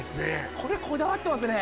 これこだわってますね。